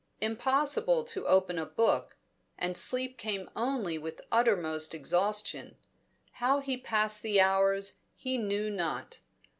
Impossible to open a book, and sleep came only with uttermost exhaustion. How he passed the hours, he knew not.